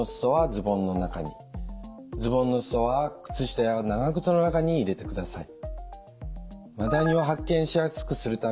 ズボンのすそは靴下や長靴の中に入れてください。